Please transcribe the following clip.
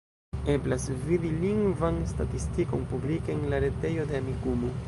Eblas vidi lingvan statistikon publike en la retejo de Amikumu.